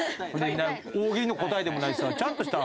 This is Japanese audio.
大喜利の答えでもないしさちゃんとした。